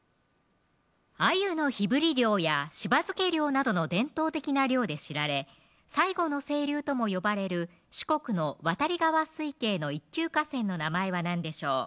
アユの火振り漁や柴漬け漁などの伝統的な漁で知られ最後の清流とも呼ばれる四国の渡川水系の一級河川の名前は何でしょう